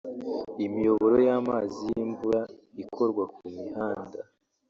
Imiyoboro y’amazi y’imvura ikorwa ku mihanda